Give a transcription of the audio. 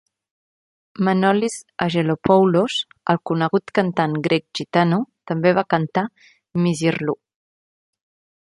Manolis Aggelopoulos, el conegut cantant grec gitano, també va cantar Misirlou.